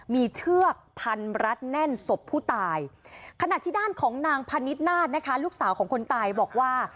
มีเชือกพันรัดแน่นศพผู้ตายขณะที่ด้านของนางพนิดนาศนะคะลูกสาวของคนตายบอกว่า